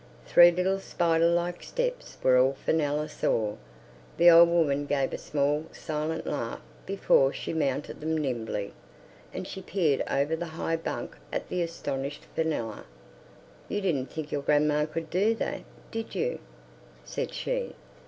Three little spider like steps were all Fenella saw. The old woman gave a small silent laugh before she mounted them nimbly, and she peered over the high bunk at the astonished Fenella. "You didn't think your grandma could do that, did you?" said she.